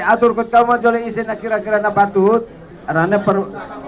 atur kecomot oleh isi nakira kira napatu karena perlu